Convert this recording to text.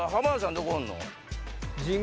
どこおんの？